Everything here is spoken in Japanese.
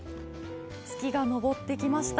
月が昇ってきました。